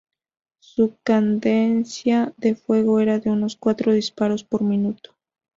Su cadencia de fuego era de unos cuatro disparos por minuto.